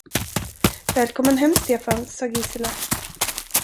Välkommen hem, Stefan, sade Gisela.